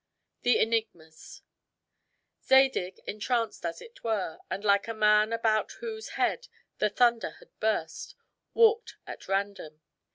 THE ENIGMAS Zadig, entranced, as it were, and like a man about whose head the thunder had burst, walked at random.